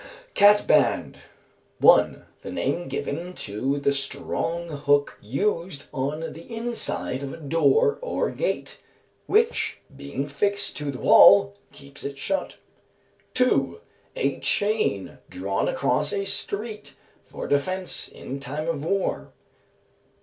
Catband. 1. The name given to the strong hook used on the inside of a door or gate, which, being fixed to the wall, keeps it shut. 2. A chain drawn across a street for defence in time of war.